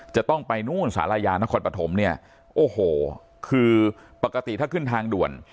จะต้องไปนู่นศาลายานครปฐมเนี่ยโอ้โหคือปกติถ้าขึ้นทางด่วน